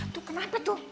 tuh kenapa tuh